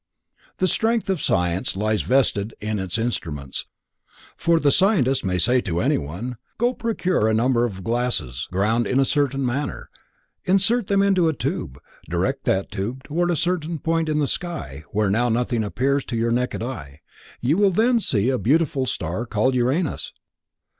The strength of science lies vested in its instruments, for the scientist may say to anyone: Go, procure a number of glasses ground in a certain manner, insert them in a tube, direct that tube toward a certain point in the sky where now nothing appears to your naked eye. You will then see a beautiful star called Uranus.